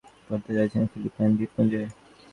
আর আপনারা ঠিক এই জিনিষই করতে চলেছেন ফিলিপাইন দ্বীপপুঞ্জে।